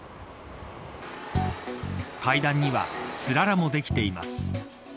階段にはつららも出来ています。